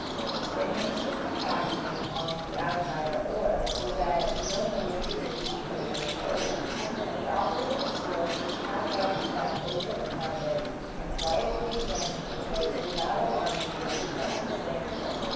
The hinges and fastening on the outside are oiled, so that no noise can be perceived when it is opened, and the operator steals with cat like step over the carpet, and quietly examines the clothes without alarming the unsuspecting stranger.